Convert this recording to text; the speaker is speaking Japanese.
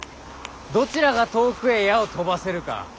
どちらが遠くへ矢を飛ばせるか。